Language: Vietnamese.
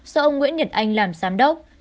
do ông nguyễn nhật anh làm giám đốc